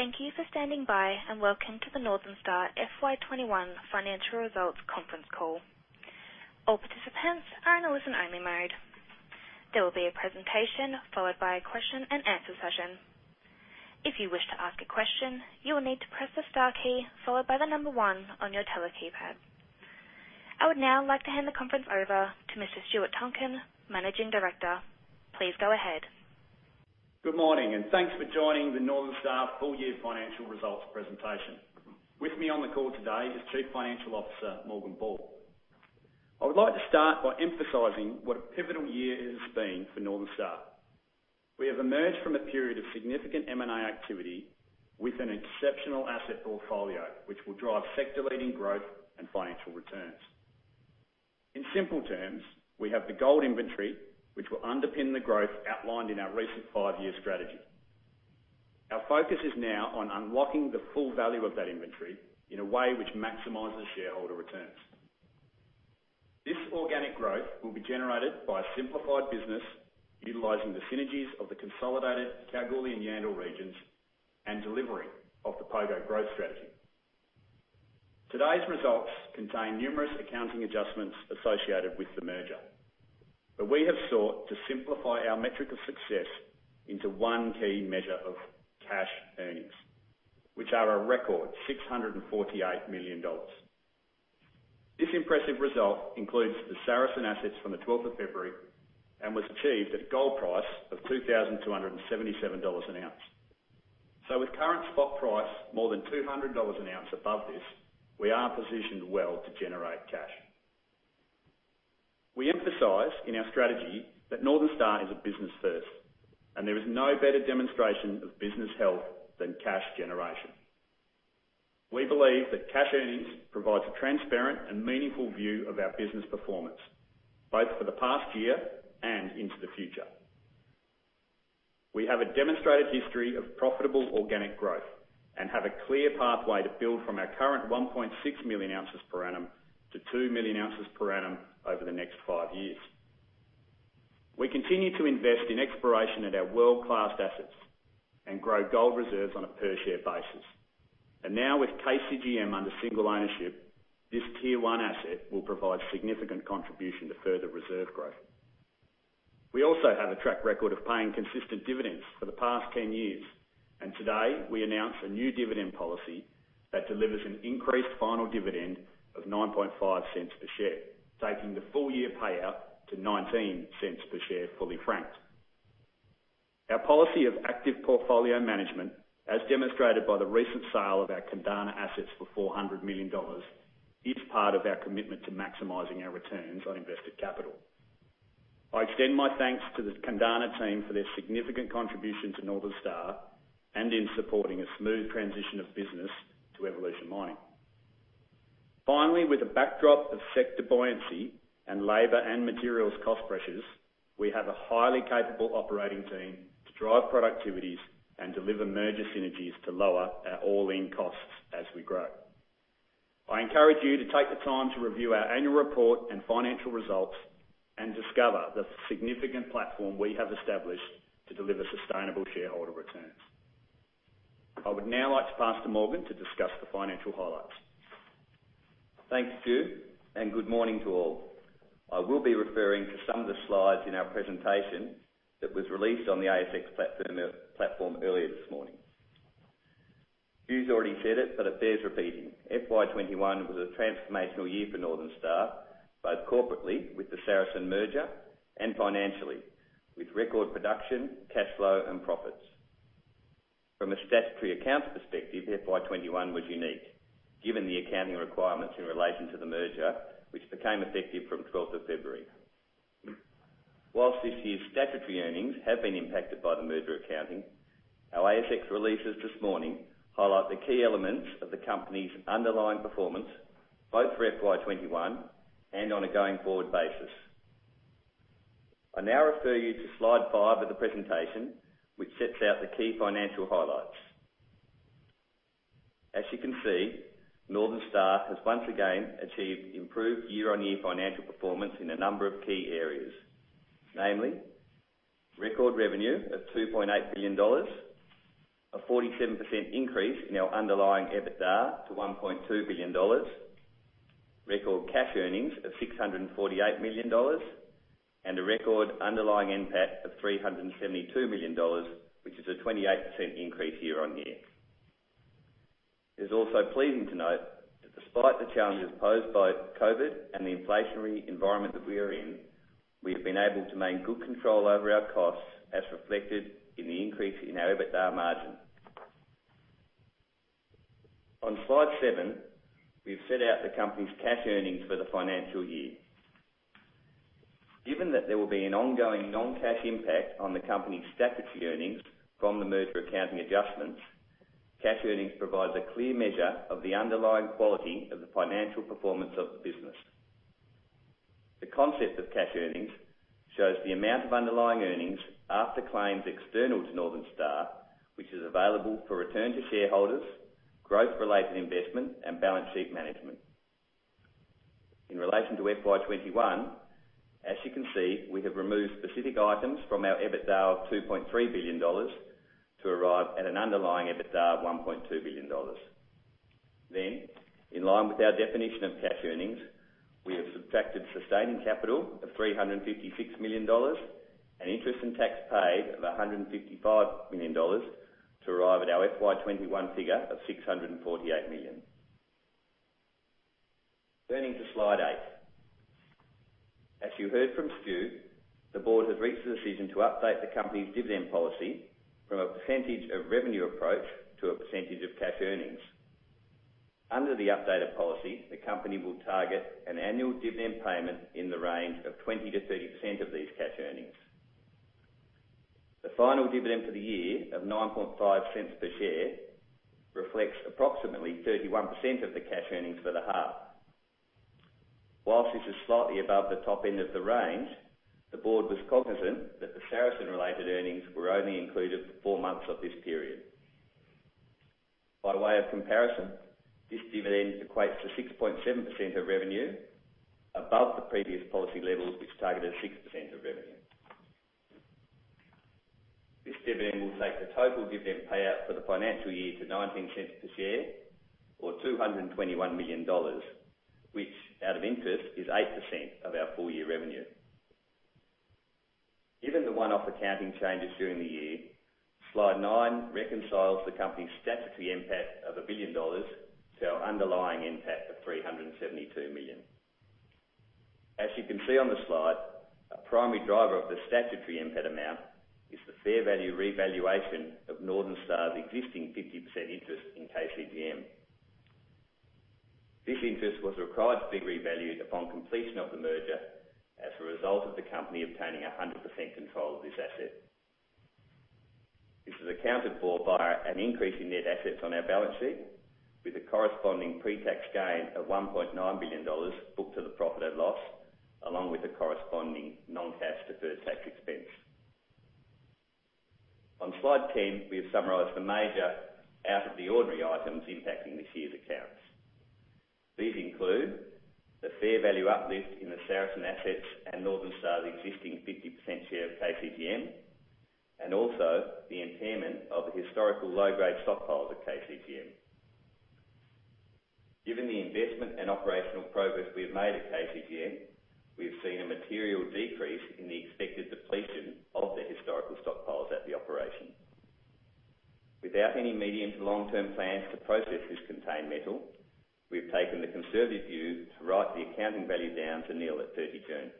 Thank you for standing by. Welcome to the Northern Star FY 2021 Financial Results Conference Call. All participants are in a listen-only mode. There will be a presentation followed by a question-and-answer session. If you wish to ask a question, you will need to press the star key followed by the one on your tele keypad. I would now like to hand the conference over to Mr. Stuart Tonkin, Managing Director. Please go ahead. Good morning, and thanks for joining the Northern Star full year financial results presentation. With me on the call today is Chief Financial Officer, Morgan Ball. I would like to start by emphasizing what a pivotal year it has been for Northern Star. We have emerged from a period of significant M&A activity with an exceptional asset portfolio, which will drive sector-leading growth and financial returns. In simple terms, we have the gold inventory, which will underpin the growth outlined in our recent five-year strategy. Our focus is now on unlocking the full value of that inventory in a way which maximizes shareholder returns. This organic growth will be generated by a simplified business, utilizing the synergies of the consolidated Kalgoorlie and Yandal regions and delivery of the Pogo growth strategy. Today's results contain numerous accounting adjustments associated with the merger. We have sought to simplify our metric of success into one key measure of cash earnings, which are a record 648 million dollars. This impressive result includes the Saracen assets from the 12th of February and was achieved at a gold price of 2,277 dollars an ounce. With current spot price more than 200 dollars an ounce above this, we are positioned well to generate cash. We emphasize in our strategy that Northern Star is a business first, and there is no better demonstration of business health than cash generation. We believe that cash earnings provides a transparent and meaningful view of our business performance, both for the past year and into the future. We have a demonstrated history of profitable organic growth and have a clear pathway to build from our current 1.6 million ounces per annum to two million ounces per annum over the next five years. We continue to invest in exploration at our world-class assets and grow gold reserves on a per share basis. Now with KCGM under single ownership, this tier 1 asset will provide significant contribution to further reserve growth. We also have a track record of paying consistent dividends for the past 10 years. Today, we announce a new dividend policy that delivers an increased final dividend of 9.5 per share, taking the full year payout to 0.19 per share, fully franked. Our policy of active portfolio management, as demonstrated by the recent sale of our Kundana assets for 400 million dollars, is part of our commitment to maximizing our returns on invested capital. I extend my thanks to the Kundana team for their significant contribution to Northern Star and in supporting a smooth transition of business to Evolution Mining. Finally, with a backdrop of sector buoyancy and labor and materials cost pressures, we have a highly capable operating team to drive productivities and deliver merger synergies to lower our all-in costs as we grow. I encourage you to take the time to review our annual report and financial results and discover the significant platform we have established to deliver sustainable shareholder returns. I would now like to pass to Morgan to discuss the financial highlights. Thanks, Stu, and good morning to all. I will be referring to some of the slides in our presentation that was released on the ASX platform earlier this morning. Stu's already said it, but it bears repeating. FY 2021 was a transformational year for Northern Star, both corporately with the Saracen merger and financially with record production, cash flow, and profits. From a statutory accounts perspective, FY 2021 was unique given the accounting requirements in relation to the merger, which became effective from 12th of February. Whilst this year's statutory earnings have been impacted by the merger accounting, our ASX releases this morning highlight the key elements of the company's underlying performance, both for FY 2021 and on a going-forward basis. I now refer you to slide five of the presentation, which sets out the key financial highlights. As you can see, Northern Star has once again achieved improved year-on-year financial performance in a number of key areas, namely, record revenue of 2.8 billion dollars, a 47% increase in our underlying EBITDA to 1.2 billion dollars, record cash earnings of 648 million dollars, and a record underlying NPAT of 372 million dollars, which is a 28% increase year on year. It is also pleasing to note that despite the challenges posed by COVID and the inflationary environment that we are in, we have been able to maintain good control over our costs, as reflected in the increase in our EBITDA margin. On slide seven, we've set out the company's cash earnings for the financial year. Given that there will be an ongoing non-cash impact on the company's statutory earnings from the merger accounting adjustments, cash earnings provides a clear measure of the underlying quality of the financial performance of the business. The concept of cash earnings shows the amount of underlying earnings after claims external to Northern Star, which is available for return to shareholders, growth-related investment, and balance sheet management. In relation to FY 2021, as you can see, we have removed specific items from our EBITDA of 2.3 billion dollars, to arrive at an underlying EBITDA of 1.2 billion dollars. In line with our definition of cash earnings, we have subtracted sustaining capital of 356 million dollars and interest in tax paid of 155 million dollars to arrive at our FY 2021 figure of 648 million. Turning to slide eight. As you heard from Stu, the board has reached the decision to update the company's dividend policy from a percentage of revenue approach to a percentage of cash earnings. Under the updated policy, the company will target an annual dividend payment in the range of 20%-30% of these cash earnings. The final dividend for the year of 9.5 per share reflects approximately 31% of the cash earnings for the half. Whilst this is slightly above the top end of the range, the board was cognizant that the Saracen-related earnings were only included for four months of this period. By way of comparison, this dividend equates to 6.7% of revenue above the previous policy levels, which targeted 6% of revenue. This dividend will take the total dividend payout for the financial year to 0.19 per share or 221 million dollars, which out of interest is 8% of our full-year revenue. Given the one-off accounting changes during the year, slide nine reconciles the company's statutory NPAT of 1 billion dollars to our underlying NPAT of 372 million. As you can see on the slide, a primary driver of the statutory NPAT amount is the fair value revaluation of Northern Star's existing 50% interest in KCGM. This interest was required to be revalued upon completion of the merger as a result of the company obtaining 100% control of this asset. This is accounted for by an increase in net assets on our balance sheet with a corresponding pre-tax gain of 1.9 billion dollars booked to the profit and loss, along with the corresponding non-cash deferred tax expense. On slide 10, we have summarized the major out of the ordinary items impacting this year's accounts. These include the fair value uplift in the Saracen assets and Northern Star's existing 50% share of KCGM, and also the impairment of the historical low-grade stockpiles at KCGM. Given the investment and operational progress we have made at KCGM, we have seen a material decrease in the expected depletion of the historical stockpiles at the operation. Without any medium to long-term plans to process this contained metal, we have taken the conservative view to write the accounting value down to nil at 30 June.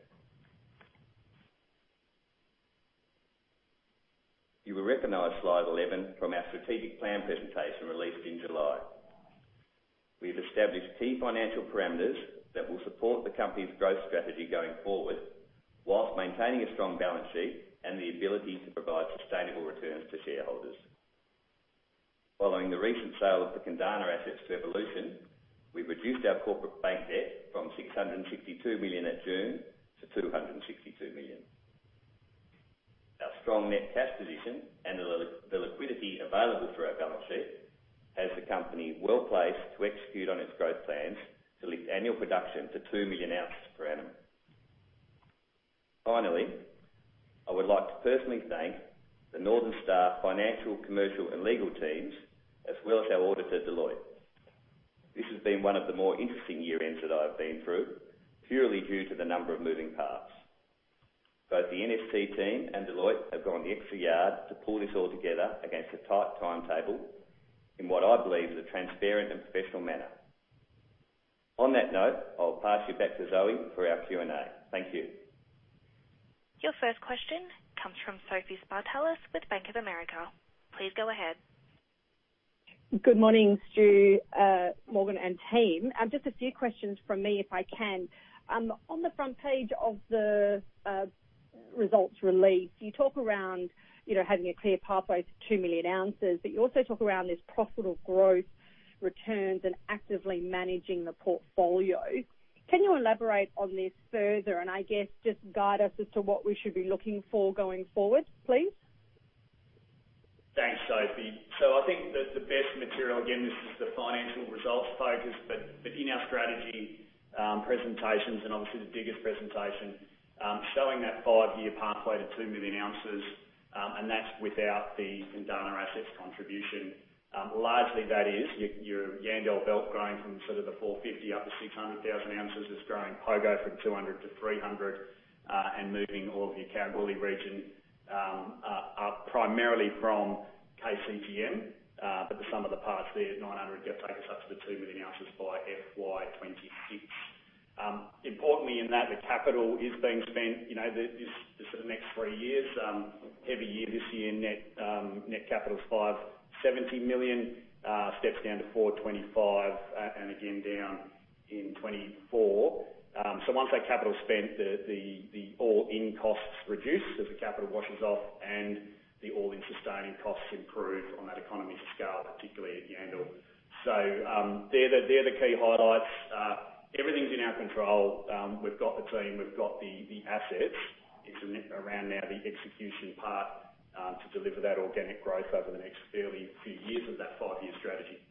You will recognize slide 11 from our strategic plan presentation released in July. We have established key financial parameters that will support the company's growth strategy going forward, while maintaining a strong balance sheet and the ability to provide sustainable returns to shareholders. Following the recent sale of the Kundana assets to Evolution, we've reduced our corporate bank debt from 662 million at June to 262 million. Our strong net cash position and the liquidity available through our balance sheet has the company well-placed to execute on its growth plans to lift annual production to two million ounces per annum. Finally, I would like to personally thank the Northern Star financial, commercial, and legal teams, as well as our auditor, Deloitte. This has been one of the more interesting year-ends that I've been through, purely due to the number of moving parts. Both the NST team and Deloitte have gone the extra yard to pull this all together against a tight timetable in what I believe is a transparent and professional manner. On that note, I'll pass you back to Zoe for our Q&A. Thank you. Your first question comes from Sophie Spartalis with Bank of America. Please go ahead. Good morning, Stu, Morgan, and team. Just a few questions from me, if I can. On the front page of the results release, you talk around having a clear pathway to two million ounces, but you also talk around this profitable growth, returns, and actively managing the portfolio. Can you elaborate on this further and I guess, just guide us as to what we should be looking for going forward, please? Thanks, Sophie. I think that the best material, again, this is the financial results focus, but in our strategy presentations and obviously the biggest presentation, showing that five-year pathway to two million ounces, and that's without the Kundana asset's contribution. Largely that is your Yandal belt growing from sort of the 450 up to 600,000 ounces. It's growing Pogo from 200-300, and moving all of your Kalgoorlie region, primarily from KCGM. The sum of the parts there at 900,000, that takes us up to the two million ounces by FY 2026. Importantly, in that, the capital is being spent, the sort of next three years. Every year this year, net capital's 570 million, steps down to 425 million, and again, down in 2024. Once that capital's spent, the all-in costs reduce as the capital washes off and the all-in sustaining costs improve on that economy scale, particularly at Yandal. They're the key highlights. Everything's in our control. We've got the team. We've got the assets. It's around now the execution part, to deliver that organic growth over the next fairly few years of that five-year strategy.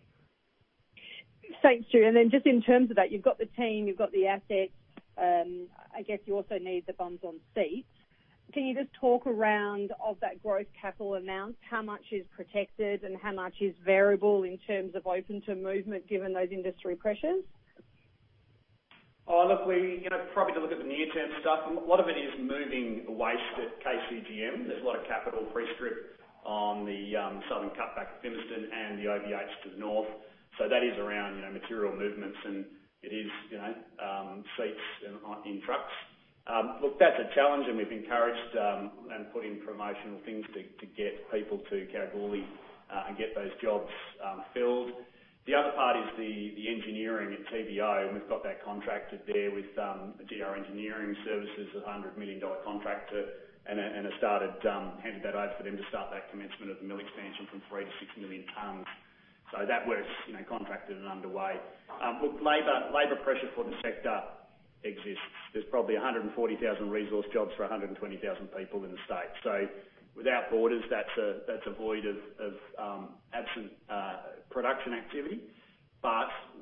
Thanks, Stuart. Just in terms of that, you've got the team, you've got the assets. I guess you also need the bums on seats. Can you just talk around of that growth capital amount, how much is protected and how much is variable in terms of open to movement given those industry pressures? Look, probably to look at the near-term stuff, a lot of it is moving waste at KCGM. There's a lot of capital pre-strip on the southern cutback of Fimiston and the OBH to the north. That is around material movements, and it is seats in trucks. Look, that's a challenge and we've encouraged and put in promotional things to get people to Kalgoorlie and get those jobs filled. The other part is the engineering at TBO. We've got that contracted there with GR Engineering Services, an 100 million dollar contract, and handed that over for them to start that commencement of the mill expansion from three to six million tonnes. That work is contracted and underway. Look, labor pressure for the sector exists. There's probably 140,000 resource jobs for 120,000 people in the state. Without borders, that's a void of absent production activity.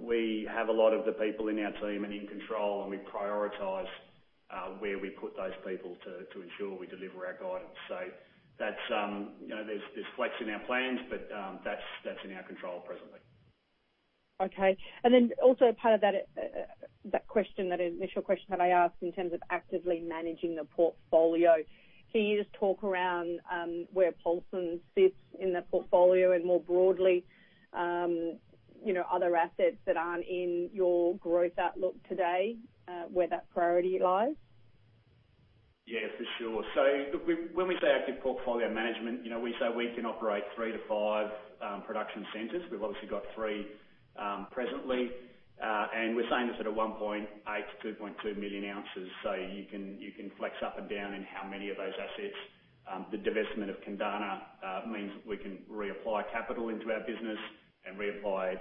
We have a lot of the people in our team and in control, and we prioritize where we put those people to ensure we deliver our guidance. There's flex in our plans, but that's in our control presently. Okay. Also part of that initial question that I asked in terms of actively managing the portfolio, can you just talk around where Paulsens sits in the portfolio and more broadly other assets that aren't in your growth outlook today, where that priority lies? Yes, for sure. Look, when we say active portfolio management, we say we can operate three to five production centers. We've obviously got three presently. We're saying this at a 1.8 million-2.2 million ounces. You can flex up and down in how many of those assets. The divestment of Kundana means we can reapply capital into our business and reapply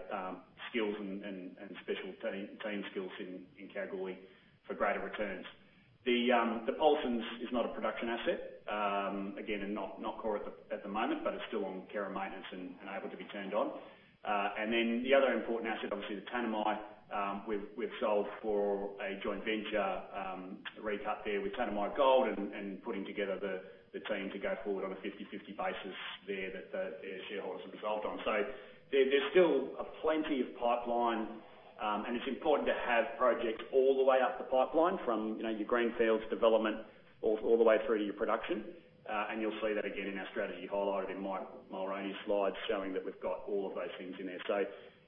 skills and special team skills in Kalgoorlie for greater returns. The Paulsens is not a production asset. Again, not core at the moment, but it's still on care and maintenance and able to be turned on. The other important asset, obviously, the Tanami, we've sold for a joint venture recut there with Tanami Gold and putting together the team to go forward on a 50/50 basis there that their shareholders have resolved on. There's still plenty of pipeline, and it's important to have projects all the way up the pipeline from your greenfields development all the way through to your production. You'll see that again in our strategy highlighted in Mulroney's slides, showing that we've got all of those things in there.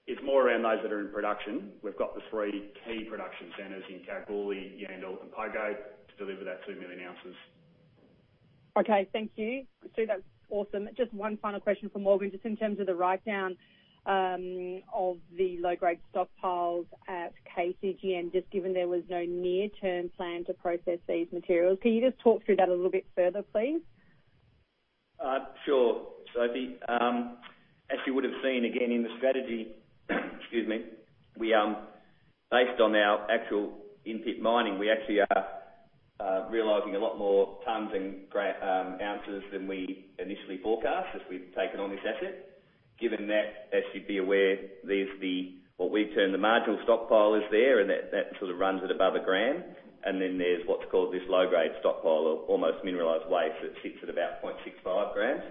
It's more around those that are in production. We've got the three key production centers in Kalgoorlie, Yandal and Pogo to deliver that two million ounces. Okay, thank you. Stuart, that's awesome. Just one final question from Morgan, just in terms of the writedown of the low-grade stockpiles at KCGM, just given there was no near-term plan to process these materials. Can you just talk through that a little bit further, please? Sure. Sophie, as you would have seen again in the strategy, excuse me, based on our actual in-pit mining, we actually are realizing a lot more tonnes and ounces than we initially forecast as we've taken on this asset. Given that, as you'd be aware, there's what we term the marginal stockpile is there, and that sort of runs at above a gram. And then there's what's called this low-grade stockpile of almost mineralized waste that sits at about 0.65 g.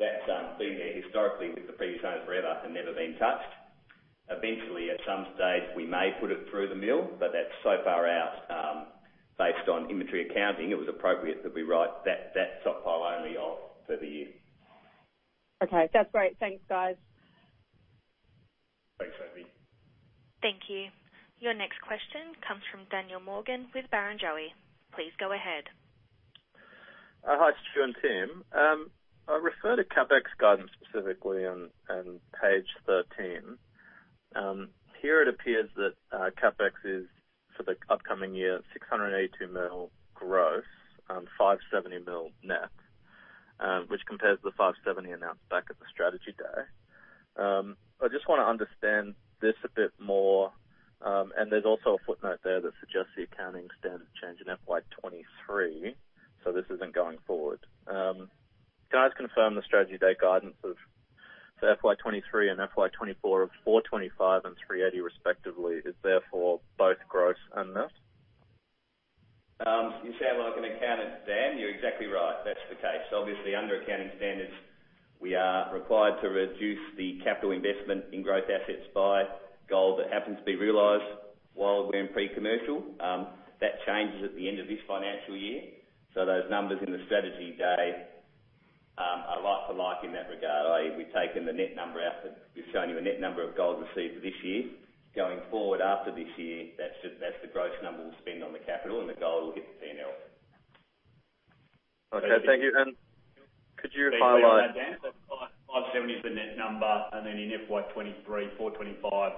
That's been there historically with the P-zone forever and never been touched. Eventually, at some stage, we may put it through the mill, but that's so far out, based on inventory accounting, it was appropriate that we write that stockpile only off for the year. Okay. That's great. Thanks, guys. Thanks, Sophie. Thank you. Your next question comes from Daniel Morgan with Barrenjoey. Please go ahead. Hi, Stuart and team. I refer to CapEx guidance specifically on page 13. Here it appears that CapEx is for the upcoming year, 682 million growth, 570 million net, which compares to the 570 announced back at the strategy day. I just want to understand this a bit more. There's also a footnote there that suggests the accounting standard change in FY 2023, so this isn't going forward. Can I confirm the strategy day guidance of the FY 2023 and FY 2024 of 425 million and 380 million respectively is therefore both gross and net? You sound like an accountant, Dan. You're exactly right. That's the case. Obviously, under accounting standards, we are required to reduce the capital investment in growth assets by gold that happens to be realized while we're in pre-commercial. That changes at the end of this financial year. Those numbers in the strategy day are like for like in that regard. We've taken the net number out, we've shown you a net number of gold received for this year. Going forward after this year, that's the gross number we'll spend on the capital, and the gold will hit P&L. Okay, thank you. Could you highlight? Dan, 570 is the net number, and then in FY 2023, 425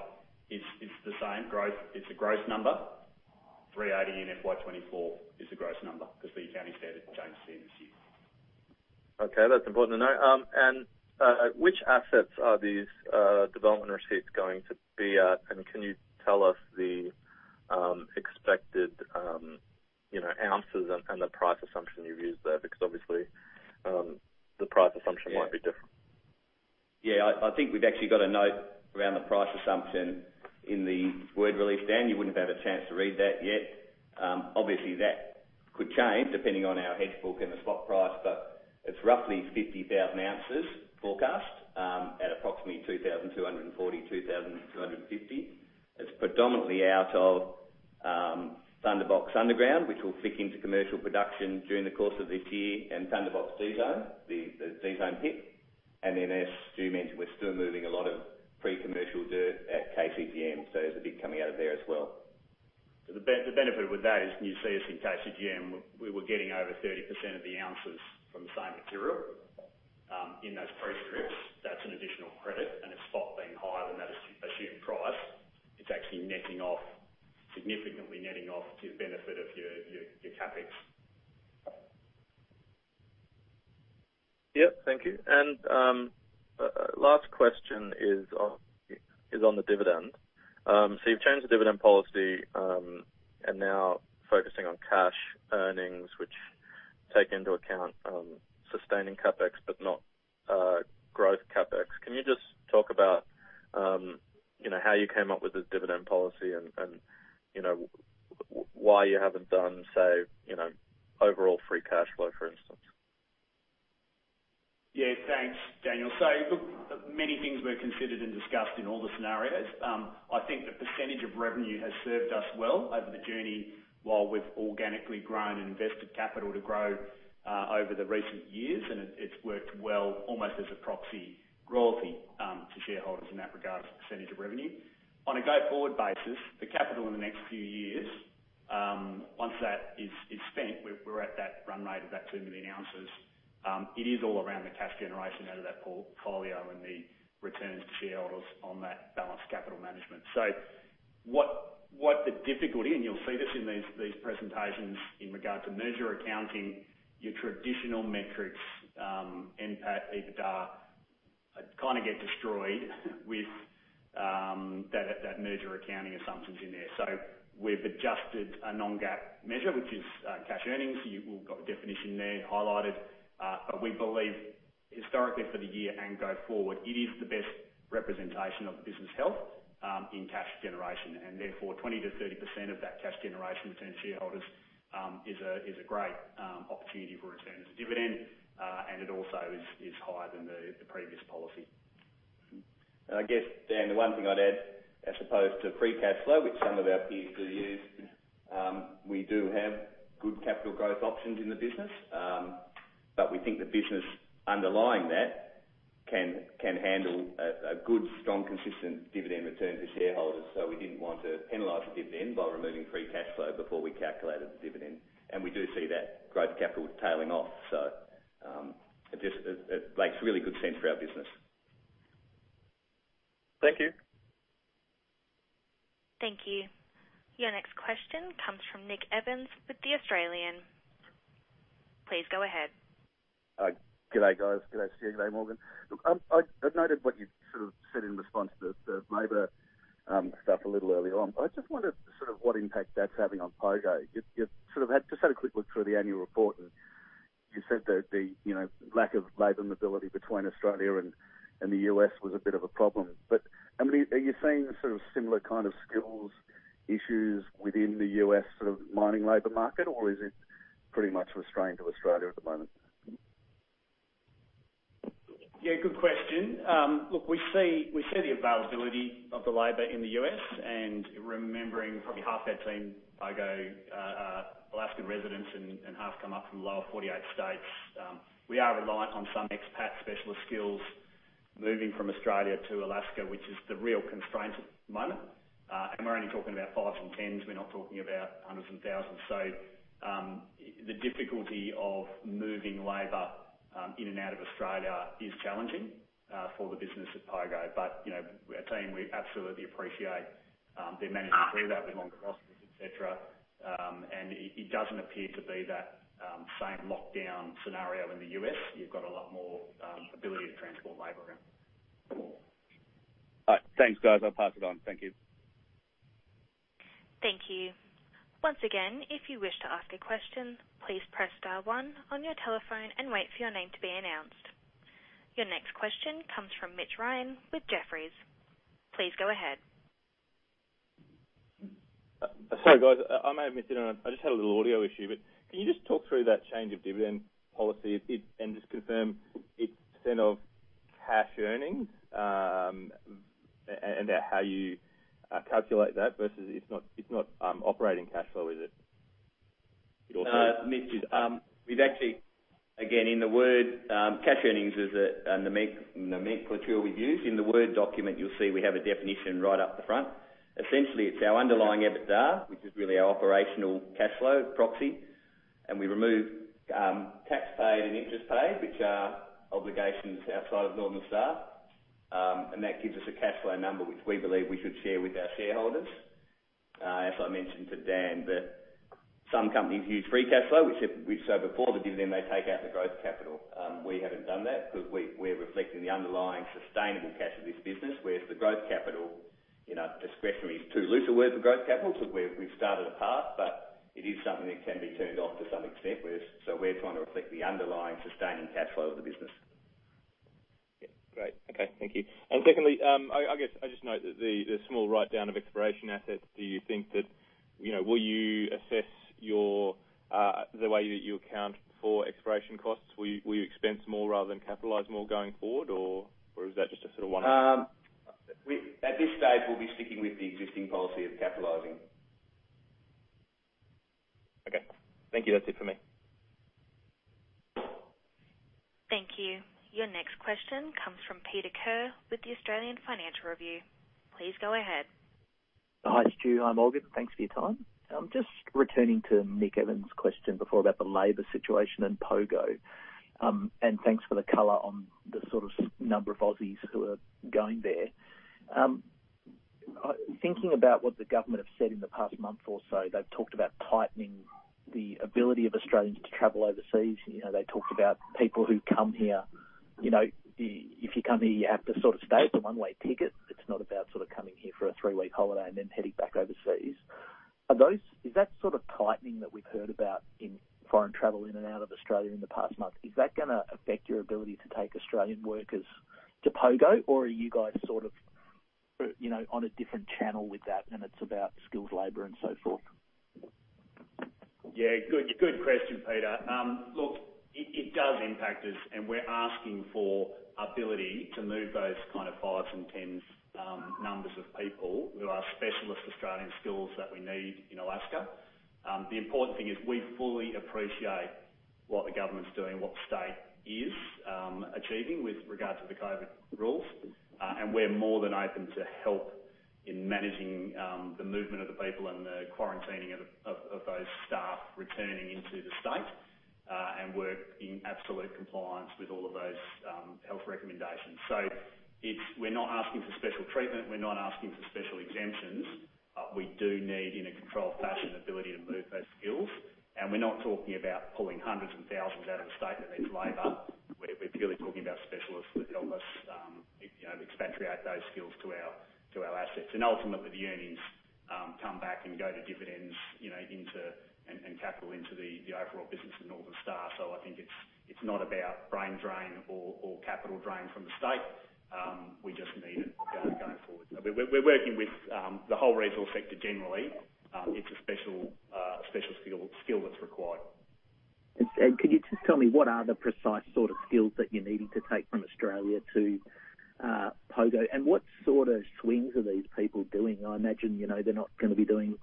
is the same. It's a gross number. 380 in FY 2024 is a gross number because the accounting standard changes at the end of this year. Okay, that's important to know. Which assets are these development receipts going to be at, and can you tell us the expected ounces and the price assumption you've used there, because obviously, the price assumption might be different? I think we've actually got a note around the price assumption in the word release, Dan. You wouldn't have had a chance to read that yet. Obviously, that could change depending on our hedge book and the spot price, but it's roughly 50,000 ounces forecast at approximately 2,240-2,250. It's predominantly out of Thunderbox underground, which will flick into commercial production during the course of this year, and Thunderbox C-zone, the C-zone pit. As Stu mentioned, we're still moving a lot of pre-commercial dirt at KCGM, so there's a bit coming out of there as well. The benefit with that is, you see us in KCGM. We were getting over 30% of the ounces from the same material, in those pre-strips. The spot being higher than that assumed price. It's actually significantly netting off to the benefit of your CapEx. Yep. Thank you. Last question is on the dividend. You've changed the dividend policy, and now focusing on cash earnings, which take into account sustaining CapEx but not growth CapEx. Can you just talk about how you came up with this dividend policy and why you haven't done so overall free cash flow, for instance? Yeah. Thanks, Daniel. Look, many things were considered and discussed in all the scenarios. I think the percentage of revenue has served us well over the journey while we've organically grown and invested capital to grow over the recent years, and it's worked well almost as a proxy royalty to shareholders in that regard, as a percentage of revenue. On a go-forward basis, the capital in the next few years, once that is spent, we're at that run rate of that two million ounces. It is all around the cash generation out of that portfolio and the returns to shareholders on that balanced capital management. What the difficulty, and you'll see this in these presentations in regards to merger accounting, your traditional metrics, NPAT, EBITDA, kind of get destroyed with that merger accounting assumptions in there. We've adjusted a non-GAAP measure, which is cash earnings. You all got the definition there highlighted. We believe historically for the year and go forward, it is the best representation of the business health, in cash generation. Therefore, 20%-30% of that cash generation returned to shareholders is a great opportunity for return as a dividend. It also is higher than the previous policy. I guess, Dan, the one thing I'd add, as opposed to free cash flow, which some of our peers do use, we do have good capital growth options in the business. We think the business underlying that can handle a good, strong, consistent dividend return to shareholders. We didn't want to penalize the dividend by removing free cash flow before we calculated the dividend. We do see that growth capital tailing off. It makes really good sense for our business. Thank you. Thank you. Your next question comes from Nick Evans with The Australian. Please go ahead. G'day, guys. G'day, Stu. G'day, Morgan. Look, I've noted what you sort of said in response to the labor stuff a little early on, but I just wonder sort of what impact that's having on Pogo. I just had a quick look through the annual report, and you said that the lack of labor mobility between Australia and the U.S. was a bit of a problem. How many are you seeing sort of similar kind of skills issues within the U.S. sort of mining labor market, or is it pretty much restrained to Australia at the moment? Yeah, good question. Look, remembering probably half our team, Pogo, are Alaskan residents and half come up from the lower 48 states. We are reliant on some expat specialist skills moving from Australia to Alaska, which is the real constraint at the moment. We're only talking about 5s and 10s. We're not talking about hundreds and thousands. The difficulty of moving labor in and out of Australia is challenging for the business at Pogo. Our team, we absolutely appreciate, they're managing to do that with longer rosters, et cetera. It doesn't appear to be that same lockdown scenario in the U.S. You've got a lot more ability to transport labor around. All right. Thanks, guys. I'll pass it on. Thank you. Thank you. Once again, if you wish to ask a question, please press star one on your telephone and wait for your name to be announced. Your next question comes from Mitch Ryan with Jefferies. Please go ahead. Sorry, guys. I might have missed it. I just had a little audio issue, but can you just talk through that change of dividend policy, and just confirm it's share of cash earnings, and how you calculate that versus it's not operating cash flow, is it? Mitch, we've actually, again, in the word cash earnings is the nomenclature we've used. In the Word document, you'll see we have a definition right up the front. Essentially, it's our underlying EBITDA, which is really our operational cash flow proxy. We remove tax paid and interest paid, which are obligations outside of Northern Star. That gives us a cash flow number, which we believe we should share with our shareholders. As I mentioned to Dan that. Some companies use free cash flow, which we've said before, the dividend may take out the growth capital. We haven't done that because we're reflecting the underlying sustainable cash of this business, whereas the growth capital, discretionary is too loose a word for growth capital. Look, we've started a path, but it is something that can be turned off to some extent. We're trying to reflect the underlying sustaining cash flow of the business. Yeah. Great. Okay. Thank you. Secondly, I guess I just note that the small write-down of exploration assets, will you assess the way that you account for exploration costs? Will you expense more rather than capitalize more going forward? Or is that just a sort of one-off? At this stage, we'll be sticking with the existing policy of capitalizing. Okay. Thank you. That's it for me. Thank you. Your next question comes from Peter Kerr with the Australian Financial Review. Please go ahead. Hi, Stu. Hi, Morgan. Thanks for your time. I'm just returning to Nick Evans's question before about the labor situation in Pogo. Thanks for the color on the sort of number of Aussies who are going there. Thinking about what the government have said in the past month or so, they've talked about tightening the ability of Australians to travel overseas. They talked about people who come here, if you come here, you have to sort of stay. It's a one-way ticket. It's not about sort of coming here for a three-week holiday and then heading back overseas. Is that sort of tightening that we've heard about in foreign travel in and out of Australia in the past month, is that gonna affect your ability to take Australian workers to Pogo? Are you guys sort of on a different channel with that, and it's about skills, labor, and so forth? Good question, Peter. It does impact us, we're asking for ability to move those kind of fives and tens, numbers of people who are specialist Australian skills that we need in Alaska. The important thing is we fully appreciate what the government's doing, what the state is achieving with regards to the COVID rules. We're more than open to help in managing the movement of the people and the quarantining of those staff returning into the state, work in absolute compliance with all of those health recommendations. We're not asking for special treatment. We're not asking for special exemptions. We do need, in a controlled fashion, ability to move those skills. We're not talking about pulling hundreds and thousands out of the state and its labor. We're purely talking about specialists that help us expatriate those skills to our assets. Ultimately, the earnings come back and go to dividends, and capital into the overall business of Northern Star. I think it's not about brain drain or capital drain from the state. We just need it going forward. We're working with the whole resource sector generally. It's a special skill that's required. Could you just tell me what are the precise sort of skills that you're needing to take from Australia to Pogo? What sort of swings are these people doing? I imagine they're not gonna be doing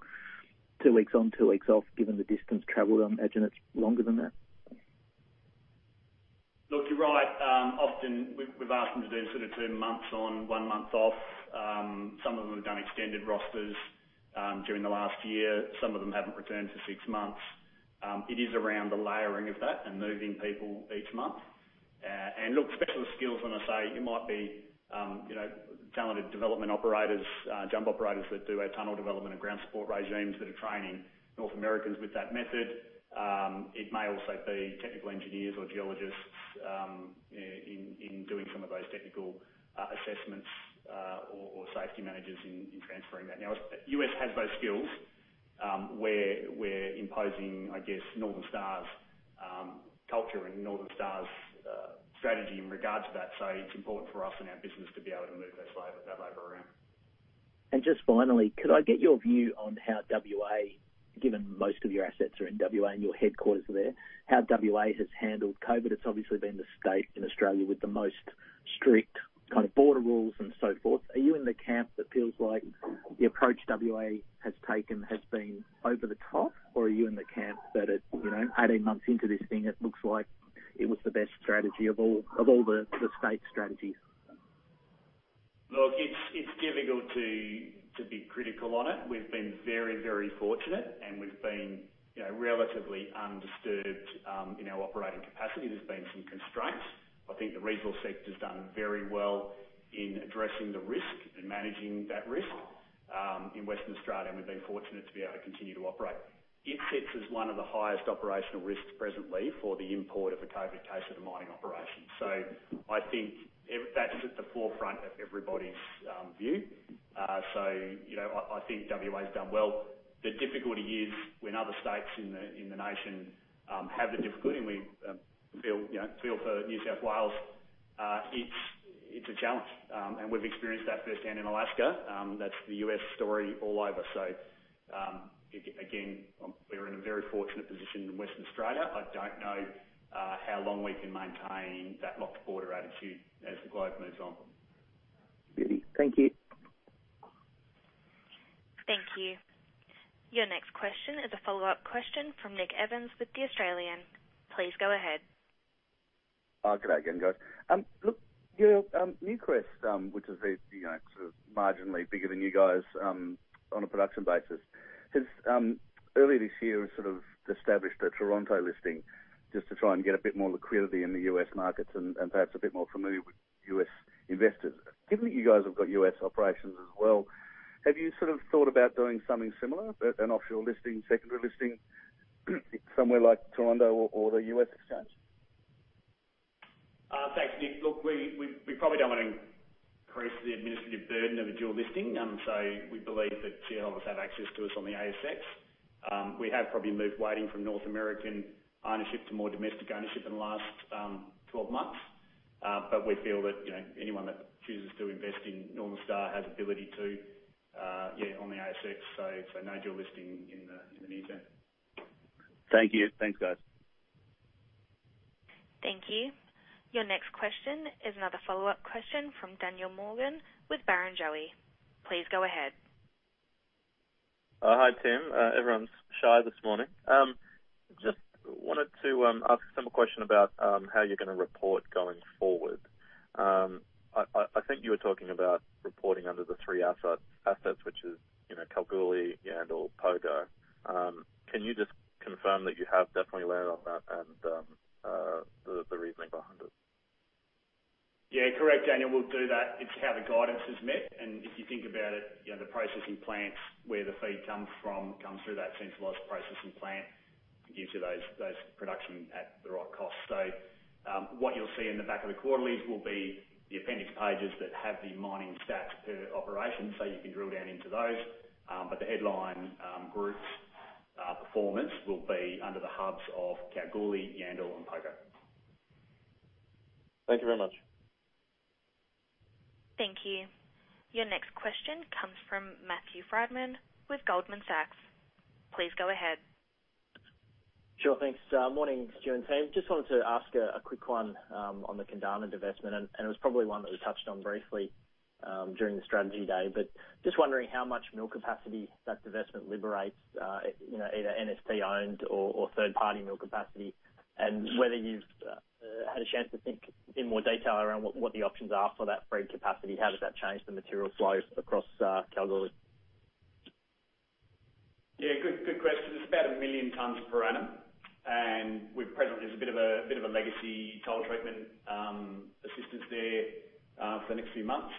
two weeks on, two weeks off, given the distance traveled. I imagine it's longer than that. Look, you're right. Often, we've asked them to do sort of two months on, one month off. Some of them have done extended rosters during the last year. Some of them haven't returned for six months. It is around the layering of that and moving people each month. Look, specialist skills, when I say it might be talented development operators, jumbo operators that do our tunnel development and ground support regimes that are training North Americans with that method. It may also be technical engineers or geologists in doing some of those technical assessments or safety managers in transferring that. Now, U.S. has those skills. We're imposing, I guess, Northern Star's culture and Northern Star's strategy in regards to that. It's important for us and our business to be able to move that labor around. Just finally, could I get your view on how WA, given most of your assets are in WA and your headquarters are there, how WA has handled COVID? It's obviously been the state in Australia with the most strict kind of border rules and so forth. Are you in the camp that feels like the approach WA has taken has been over the top? Are you in the camp that it, 18 months into this thing, it looks like it was the best strategy of all the state strategies? Look, it's difficult to be critical on it. We've been very, very fortunate, and we've been relatively undisturbed in our operating capacity. There's been some constraints. I think the resource sector's done very well in addressing the risk and managing that risk in Western Australia, and we've been fortunate to be able to continue to operate. It sits as one of the highest operational risks presently for the import of a COVID case at a mining operation. I think that's at the forefront of everybody's view. I think WA's done well. The difficulty is when other states in the nation have the difficulty, and we feel for New South Wales. It's a challenge. We've experienced that firsthand in Alaska. That's the U.S. story all over. Again, we're in a very fortunate position in Western Australia. I don't know how long we can maintain that locked border attitude as the globe moves on. Beauty. Thank you. Thank you. Your next question is a follow-up question from Nick Evans with The Australian. Please go ahead. Good day again, guys. Newcrest, which is the sort of marginally bigger than you guys on a production basis, has early this year sort of established a Toronto listing just to try and get a bit more liquidity in the U.S. markets and perhaps a bit more familiar with U.S. investors. Given that you guys have got U.S. operations as well, have you sort of thought about doing something similar, an offshore listing, secondary listing, somewhere like Toronto or the U.S. exchange? Thanks, Nick. Look, we probably don't want to increase the administrative burden of a dual listing. We believe that shareholders have access to us on the ASX. We have probably moved weighting from North American ownership to more domestic ownership in the last 12 months. We feel that anyone that chooses to invest in Northern Star has the ability to on the ASX. No dual listing in the near term. Thank you. Thanks, guys. Thank you. Your next question is another follow-up question from Daniel Morgan with Barrenjoey. Please go ahead. Hi, Team. Everyone's shy this morning. Just wanted to ask a simple question about how you're going to report going forward. I think you were talking about reporting under the three assets, which is Kalgoorlie, Yandal, Pogo. Can you just confirm that you have definitely landed on that and the reasoning behind it? Yeah, correct, Daniel. We'll do that. It's how the guidance is met. If you think about it, the processing plants, where the feed comes from, comes through that centralized processing plant. It gives you those production at the right cost. What you'll see in the back of the quarterlies will be the appendix pages that have the mining stats per operation, you can drill down into those. The headline group's performance will be under the hubs of Kalgoorlie, Yandal and Pogo. Thank you very much. Thank you. Your next question comes from Matthew Frydman with Goldman Sachs. Please go ahead. Sure thing. Morning, Stuart and team. Just wanted to ask a quick one on the Kundana divestment, and it was probably one that was touched on briefly during the strategy day. Just wondering how much mill capacity that divestment liberates, either NST-owned or third-party mill capacity, and whether you've had a chance to think in more detail around what the options are for that freed capacity. How does that change the material flows across Kalgoorlie? Good question. It's about one million tons per annum, and presently there's a bit of a legacy tail treatment assistance there for the next few months.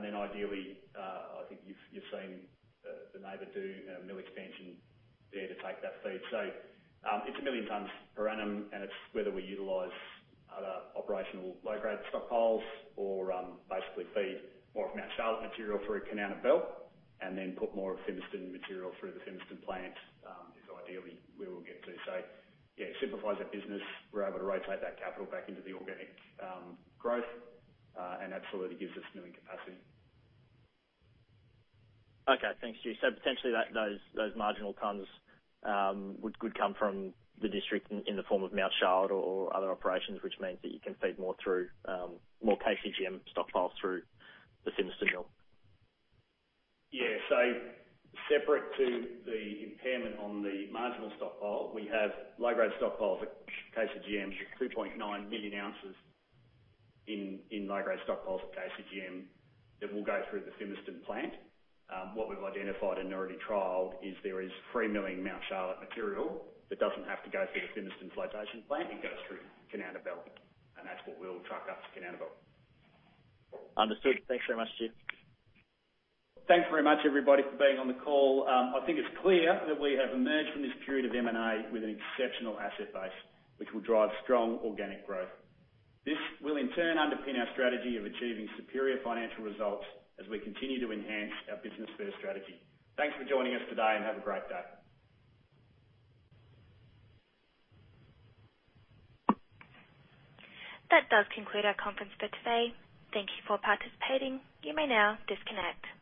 Ideally, I think you've seen the neighbor do a mill expansion there to take that feed. It's one million tons per annum, and it's whether we utilize other operational low-grade stockpiles or basically feed more of Mount Charlotte material through Kanowna Belle and then put more of Fimiston material through the Fimiston plant, is ideally where we'll get to. It simplifies our business. We're able to rotate that capital back into the organic growth, and absolutely gives us milling capacity. Okay, thanks, Stuart. Potentially those marginal tons could come from the district in the form of Mount Charlotte or other operations, which means that you can feed more KCGM stockpiles through the Fimiston Mill? Yeah. Separate to the impairment on the marginal stockpile, we have low-grade stockpiles at KCGM, 2.9 million ounces in low-grade stockpiles at KCGM that will go through the Fimiston plant. What we've identified and already trialed is there is free milling Mount Charlotte material that doesn't have to go through the Fimiston flotation plant. It goes through Kanowna Belle, and that's what we'll truck up to Kanowna Belle. Understood. Thanks very much, Stuart. Thanks very much, everybody, for being on the call. I think it's clear that we have emerged from this period of M&A with an exceptional asset base, which will drive strong organic growth. This will in turn underpin our strategy of achieving superior financial results as we continue to enhance our business-first strategy. Thanks for joining us today, and have a great day. That does conclude our conference for today. Thank you for participating. You may now disconnect.